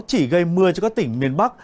chỉ gây mưa cho các tỉnh miền bắc